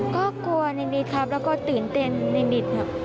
ก็กลัวนิดครับแล้วก็ตื่นเต้นนิมิตครับ